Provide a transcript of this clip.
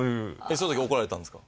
その時怒られたんですか？